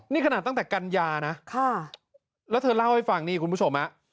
นี่ขนาดตั้งแต่กันยานะแล้วเธอเล่าให้ฟังนี่คุณผู้ชมฮะ